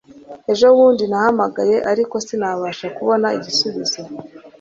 ejo bundi nahamagaye, ariko sinabasha kubona igisubizo. (scott